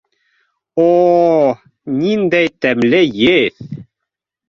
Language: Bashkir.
— О-о-о, ниндәй тәмле еҫ!